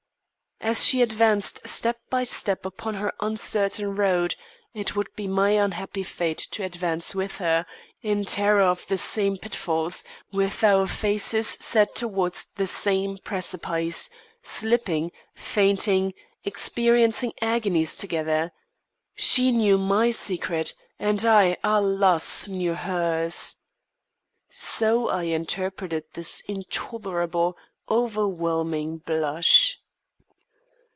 As she advanced step by step upon her uncertain road, it would be my unhappy fate to advance with her, in terror of the same pitfalls, with our faces set towards the same precipice slipping, fainting, experiencing agonies together. She knew my secret, and I, alas! knew hers. So I interpreted this intolerable, overwhelming blush.